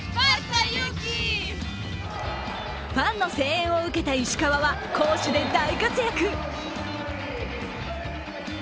ファンの声援を受けた石川は攻守で大活躍。